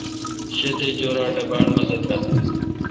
شہ تے جویراٹ اے° باڑ مزہ تھال۔